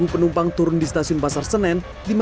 tujuh belas penumpang turun di stasiun pasar senen